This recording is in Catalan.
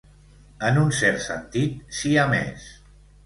En un cert sentit, siamès.